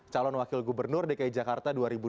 calon wakil gubernur dki jakarta dua ribu dua puluh